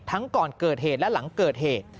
ก่อนเกิดเหตุและหลังเกิดเหตุ